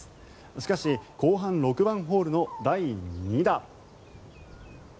しかし後半６番ホールの第２打。